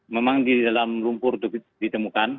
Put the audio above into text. memang di dalam lumpur ditemukan